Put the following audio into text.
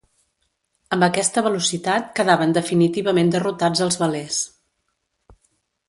Amb aquesta velocitat quedaven definitivament derrotats els velers.